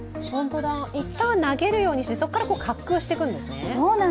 いったん投げるようにして、滑空してくるんですね。